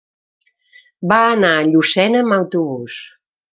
Va anar a Llucena amb autobús.